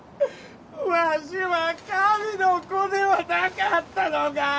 ワシは神の子ではなかったのか！？